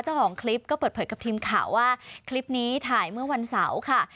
เจ้าของคลิปก็เปิดเผยกับทีมข่าวว่าคลิปนี้ถ่ายเมื่อวันเสาร์ค่ะ